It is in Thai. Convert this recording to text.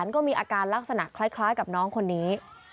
ก็มีอาการลักษณะคล้ายกับน้องคนนี้